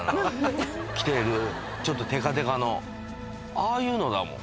ああいうのだもん